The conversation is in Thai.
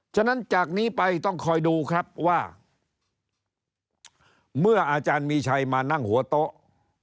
ฉะนั้นจากนี้ไปต้องคอยดูครับว่าเมื่ออาจารย์มีชัยมานั่งหัวโต๊ะ